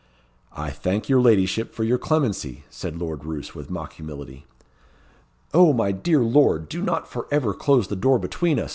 "I thank your ladyship for your clemency," said Lord Roos, with mock humility. "O, my dear lord! do not for ever close the door between us!"